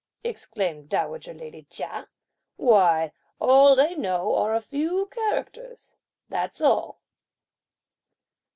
exclaimed dowager lady Chia; "why all they know are a few characters, that's all."